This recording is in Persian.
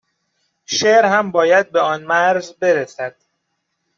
شعر هم باید به آن مرز برسد